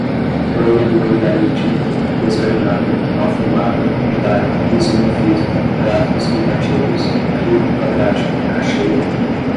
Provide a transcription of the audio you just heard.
polilogarítmico, desordenada, mal-formada, rodar, isomofismo, grafos bipartidos, crivo quadrático, cacheiro